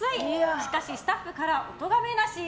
しかしスタッフからおとがめなし。